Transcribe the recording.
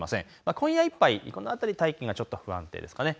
今夜いっぱい大気が不安定です。